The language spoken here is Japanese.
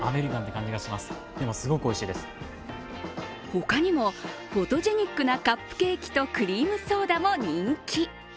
他にもフォトジェニックなカップケーキとクリームソーダも人気。